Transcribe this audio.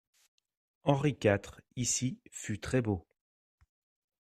Henri quatre, ici, fut très-beau.